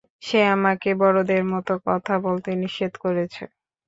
সে আমাকে বড়দের মতো কথা বলতে নিষেধ করেছে।